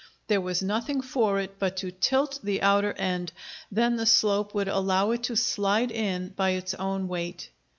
There was nothing for it but to tilt the outer end; then the slope would allow it to slide in by its own weight.